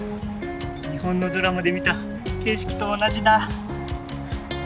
日本のドラマで見た景色と同じだ！